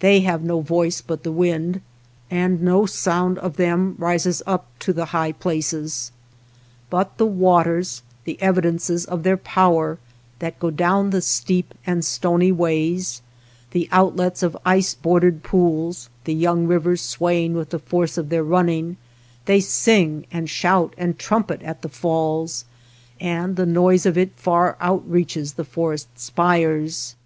They have no voice but the wind, and no sound of them rises up to the 191 THE STREETS OF THE MOUNTAINS high places. But the waters, the evidences of their power, that go down the steep and stony ways, the outlets of ice bordered pools, the young rivers swaying with the force of their running, they sing and shout and trumpet at the falls, and the noise of it far outreaches the forest spires.